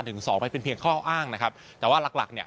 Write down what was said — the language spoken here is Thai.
หนึ่งสองไปเป็นเพียงข้ออ้างนะครับแต่ว่าหลักเนี่ย